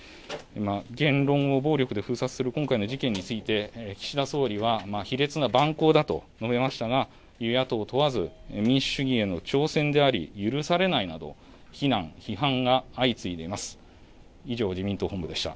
言論を暴力で封殺する今回の事件について、岸田総理は、卑劣な蛮行だと述べましたが、与野党問わず、民主主義への挑戦であり、許されないなど、非難、批判が相次いでいます。